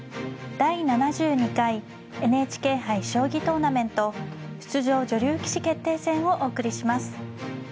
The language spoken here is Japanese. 第７２回ＮＨＫ杯将棋トーナメント出場女流棋士決定戦をお送りします。